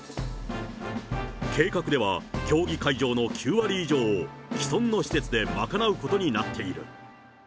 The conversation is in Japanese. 計画では、競技会場の９割以上を、既存の施設で賄うことになっている。